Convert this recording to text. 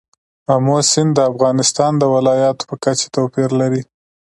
آمو سیند د افغانستان د ولایاتو په کچه توپیر لري.